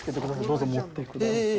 どうぞ、持ってください。